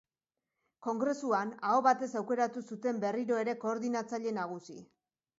Kongresuan, aho batez aukeratu zuten berriro ere koordinatzaile nagusi.